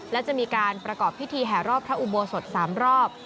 และจะมีการประกอบพิธีแห่รอบพระอุโบสถ๓รอบ